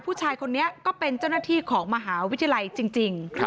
ผู้ชายคนนี้ก็เป็นเจ้าหน้าที่ของมหาวิทยาลัยจริง